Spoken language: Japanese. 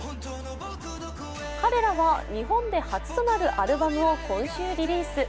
彼らは日本で初となるアルバムを今週リリース。